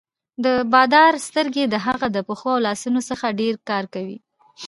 د بادار سترګې د هغه د پښو او لاسونو څخه ډېر کار کوي.